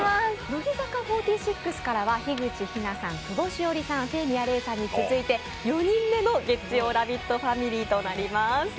乃木坂４６からは樋口日奈さん、久保史緒里さん、清宮レイさんに続いて４人目の月曜ラヴィットファミリーとなります。